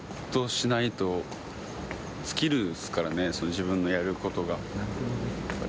自分のやることが。